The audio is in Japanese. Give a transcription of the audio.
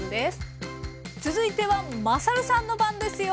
続いてはまさるさんの番ですよ。